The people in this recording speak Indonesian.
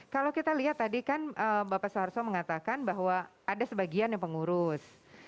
kalau kita lihat tadi kan bapak soeharto mengatakan bahwa ada sebagian yang pengurus